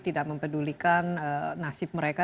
tidak mempedulikan nasib mereka